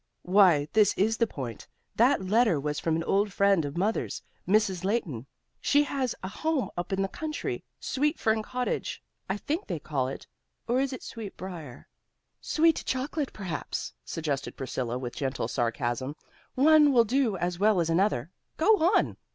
"Why, this is the point. That letter was from an old friend of mother's, Mrs. Leighton. She has a home up in the country, Sweet Fern Cottage I think they call it, or is it Sweet Briar " "Sweet chocolate, perhaps," suggested Priscilla with gentle sarcasm. "One will do as well as another. Go on."